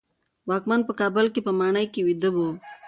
واکمن په کابل کې په ماڼۍ کې ویده و.